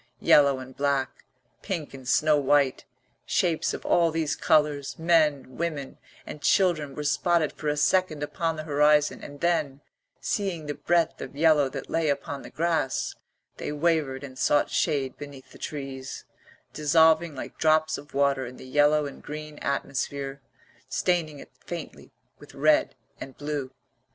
Yellow and black, pink and snow white, shapes of all these colours, men, women, and children were spotted for a second upon the horizon, and then, seeing the breadth of yellow that lay upon the grass, they wavered and sought shade beneath the trees, dissolving like drops of water in the yellow and green atmosphere, staining it faintly with red and blue.